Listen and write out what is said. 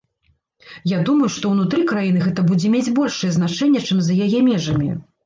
Я думаю, што ўнутры краіны гэта будзе мець большае значэнне, чым за яе межамі.